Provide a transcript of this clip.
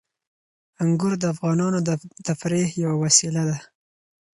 انګور د افغانانو د تفریح یوه وسیله ده.